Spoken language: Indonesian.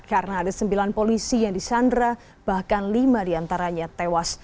karena ada sembilan polisi yang disandra bahkan lima diantaranya tewas